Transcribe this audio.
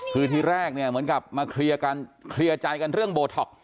คือที่แรกเนี่ยเหมือนกับมาเคลียร์กันเรื่องโบท็อก